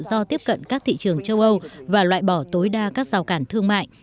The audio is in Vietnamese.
do tiếp cận các thị trường châu âu và loại bỏ tối đa các rào cản thương mại